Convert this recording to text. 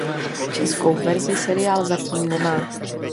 Českou verzi seriál zatím nemá.